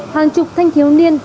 hàng chục thanh thiếu niên